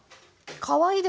かわいいです。